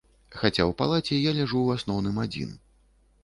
Хаця ў палаце я ляжу ў асноўным адзін.